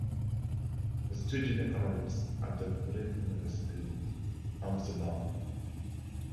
He studied economics at the Vrije Universiteit Amsterdam.